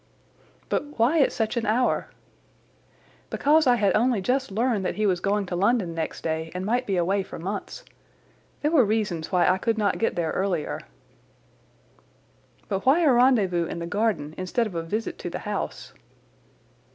"But why at such an hour?" "Because I had only just learned that he was going to London next day and might be away for months. There were reasons why I could not get there earlier." "But why a rendezvous in the garden instead of a visit to the house?"